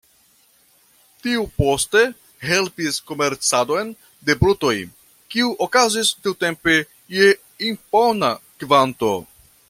Tiu poste helpis komercadon de brutoj, kiu okazis tiutempe je impona kvanto.